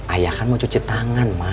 ayah kan mau cuci tangan